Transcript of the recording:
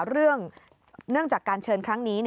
เนื่องจากการเชิญครั้งนี้